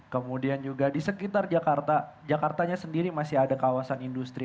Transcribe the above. kemudian juga di sekitar jakarta jakartanya sendiri masih ada kawasan industri